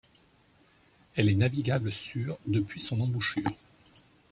Elle est navigable sur depuis son embouchure.